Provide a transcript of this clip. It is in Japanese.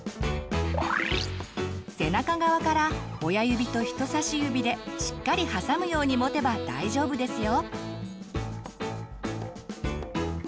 背中側から親指と人さし指でしっかりはさむように持てば大丈夫ですよ。